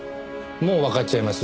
もうわかっちゃいます？